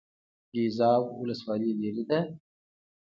ګیزاب ولسوالۍ لیرې ده؟